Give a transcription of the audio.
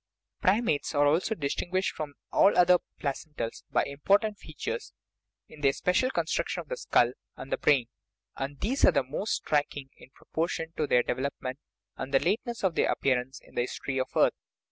Primates are also dis tinguished from all the other placentals by important features in the special construction of the skull and the brain; and these are the more striking in proportion to their development and the lateness of their appear ance in the history of the earth.